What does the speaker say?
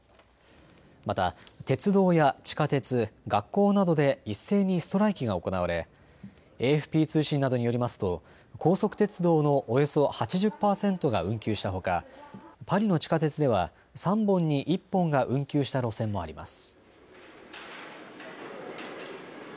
また鉄道や地下鉄、学校などで一斉にストライキが行われＡＦＰ通信などによりますと高速鉄道のおよそ８０％が運休したほか、パリの地下鉄では３本に１本が運休した路線もあります。